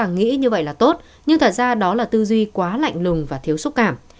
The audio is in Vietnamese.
nói ra đó là tư duy quá lạnh lùng và thiếu xúc cảm